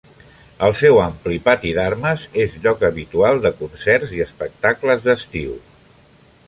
El seu ampli pati d'armes és lloc habitual de concerts i espectacles d'estiu.